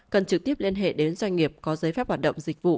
cần trực tiếp liên hệ đến doanh nghiệp có giấy phép hoạt động dịch vụ